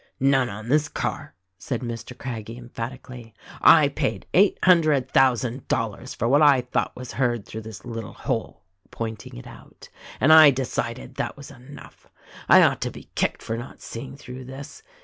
"None on this car," said Mr. Craggie emphatically. I paid eight hundred thousand dollars for what I thought was heard through this little hole (pointing it out), and I decided that was enough. I ought to be kicked for not seeing through this.